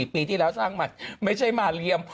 ปีที่แล้วสร้างใหม่ไม่ใช่มาเรียม